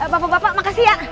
bapak bapak makasih ya